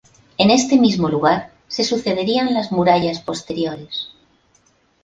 En este mismo lugar se sucederían las murallas posteriores.